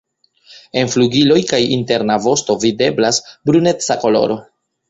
En flugiloj kaj interna vosto videblas bruneca koloro.